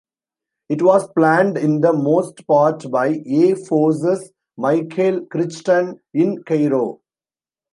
It was planned in the most part by 'A' Force's Michael Crichton in Cairo.